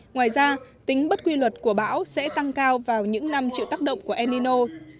ngoài ra tính bất quy luật của bão sẽ tăng cao vào những năm triệu tác động của el nino